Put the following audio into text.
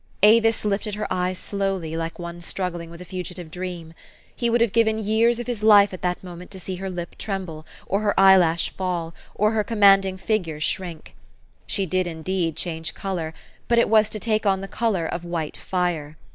Avis lifted her eyes slowly, like one struggling with a fugitive dream. He would have given years of his life at that moment to see her lip tremble, or her eyelash fall, or her commanding figure shrink. She did, indeed, change color, but it was to take on the color of white fire.